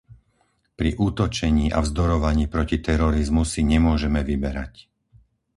Pri útočení a vzdorovaní proti terorizmu si nemôžeme vyberať.